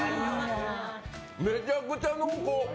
めちゃくちゃ濃厚。